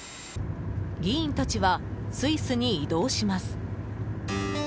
議員たちはスイスに移動します。